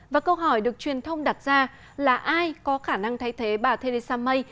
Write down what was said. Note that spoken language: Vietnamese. và câu hỏi được truyền thông đặt ra là ai có khả năng thay thế bà theresa may